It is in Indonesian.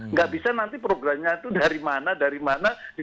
nggak bisa nanti programnya itu dari mana dari mana